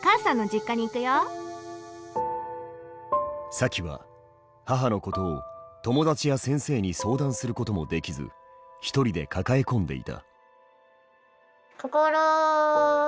サキは母のことを友達や先生に相談することもできず一人で抱え込んでいた。